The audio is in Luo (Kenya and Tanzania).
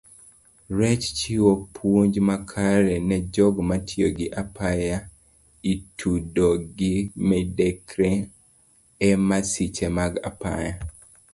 Rem chiwo puonj makare nejogo matiyo gi apaya itudo gi medruok emasiche mag apaya.